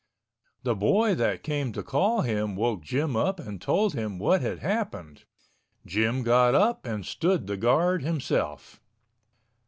The boy that came to call him woke Jim up and told him what had happened. Jim got up and stood the guard himself.